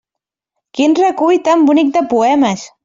Quin recull tan bonic de poemes!